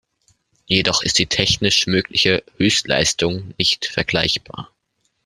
Jedoch ist die technisch mögliche Höchstleistung nicht vergleichbar.